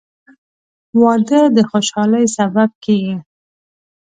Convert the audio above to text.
• واده د خوشحالۍ سبب کېږي.